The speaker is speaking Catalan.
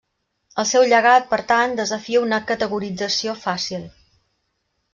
El seu llegat, per tant, desafia una categorització fàcil.